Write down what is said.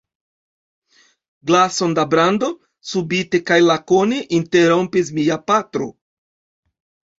Glason da brando? subite kaj lakone interrompis mia patro.